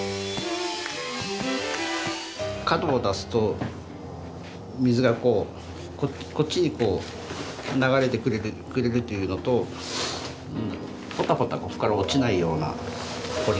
角を出すと水がこっちにこう流れてくれるというのとポタポタここから落ちないような彫り方っていうんですかね。